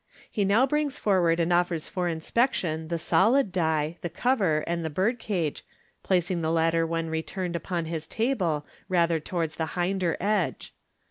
He now brings forward and offers for inspection the solid die, the cover, and the birdcage, placing the latter when returned upon his table, rather towards the hinder edge.